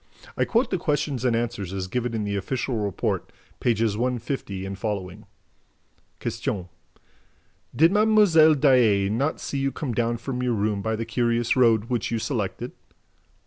I quote the questions and answers as given in the official report pp. 150 et seq.: Q. "Did Mlle. Daae not see you come down from your room by the curious road which you selected?"